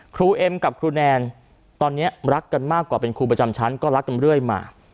เอ็มกับครูแนนตอนนี้รักกันมากกว่าเป็นครูประจำชั้นก็รักกันเรื่อยมา